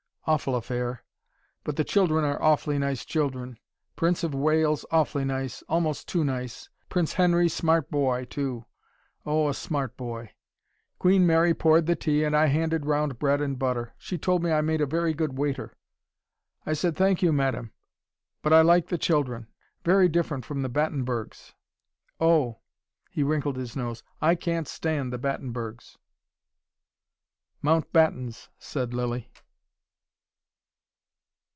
Awful affair. But the children are awfully nice children. Prince of Wales awfully nice, almost too nice. Prince Henry smart boy, too oh, a smart boy. Queen Mary poured the tea, and I handed round bread and butter. She told me I made a very good waiter. I said, Thank you, Madam. But I like the children. Very different from the Battenbergs. Oh! " he wrinkled his nose. "I can't stand the Battenbergs." "Mount Battens," said Lilly.